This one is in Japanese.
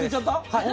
はい。